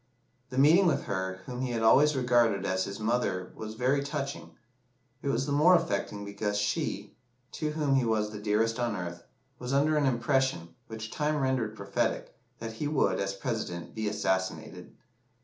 The meeting with her whom he had always regarded as his mother was very touching; it was the more affecting because she, to whom he was the dearest on earth, was under an impression, which time rendered prophetic, that he would, as President, be assassinated.